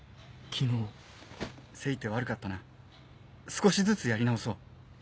急いて悪かったな少しずつやり直そう。